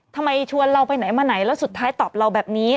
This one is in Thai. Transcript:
ทำไมชวนเราไปไหนมาไหนแล้วสุดท้ายตอบเราแบบนี้